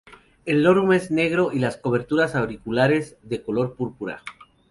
El lorum es negro y las cobertoras auriculares de color púrpura.